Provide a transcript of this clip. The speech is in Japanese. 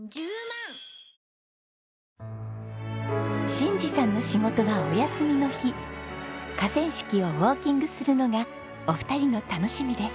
信治さんの仕事がお休みの日河川敷をウォーキングするのがお二人の楽しみです。